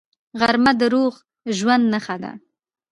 غرمه د روغ ژوند نښه ده